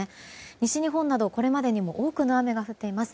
西日本などこれまでにも多くの雨が降っています。